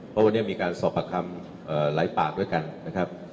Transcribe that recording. เพราะวันนี้มีการสอบประคำหลายปากด้วยกันนะครับ